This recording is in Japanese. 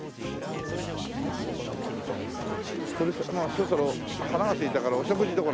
そろそろ腹がすいたからお食事どころ。